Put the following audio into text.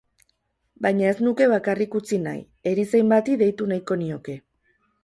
Baina ez nuke bakarrik utzi nahi, erizain bati deitu nahiko nioke.